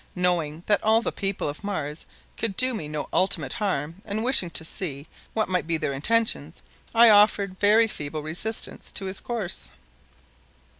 Knowing that all the people of Mars could do me no ultimate harm and wishing to see what might be their intentions, I offered very feeble resistance to his course.